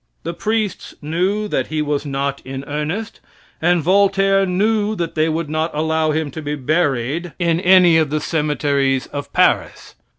The priests knew that he was not in earnest, and Voltaire knew that they would not allow him to be buried in any of the cemeteries of Paris.